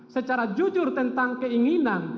secara jujur tentang keinginan